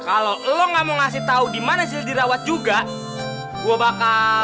kalau lo gak mau kasih tau dimana sisil dirawat juga gue bakal